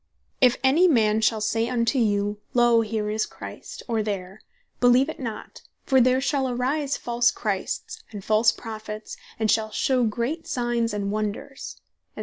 "If any man shall say unto you, Loe, here is Christ, or there, beleeve it not, for there shall arise false Christs, and false Prophets, and shall shew great signes and wonders, &c."